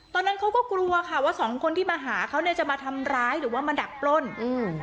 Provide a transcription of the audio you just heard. ตอนนั้นเขาก็กลัวค่ะว่าสองคนที่มาหาเขาเนี้ยจะมาทำร้ายหรือว่ามาดักปล้นอืม